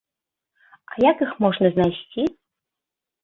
А як іх можна знайсці?